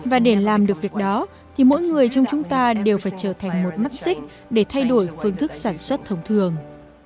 và để làm được việc đó thì mỗi người trong chúng ta đều phải trở thành một mắc xích để thay đổi phương thức sản xuất thông thường